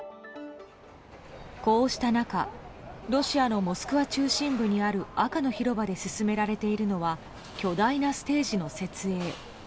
こうした中ロシアのモスクワ中心部にある赤の広場で進められているのは巨大なステージの設営。